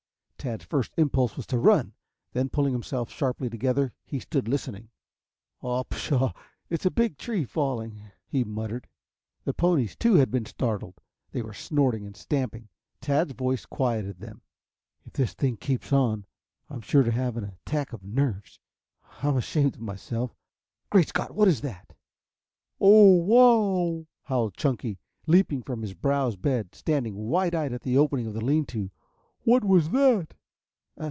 Tad's first impulse was to run, then, pulling himself sharply together, he stood listening. "Oh, pshaw, it's a big tree falling," he muttered. The ponies, too, had been startled. They were snorting and stamping. Tad's voice quieted them. "If this thing keeps on I am sure to have an attack of nerves. I am ashamed of myself Great Scott, what is that?" "Oh, wow!" howled Chunky, leaping from his browse bed, standing wide eyed at the opening of the lean to. "What was that?"